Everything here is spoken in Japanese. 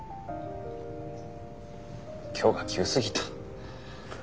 今日が急すぎた。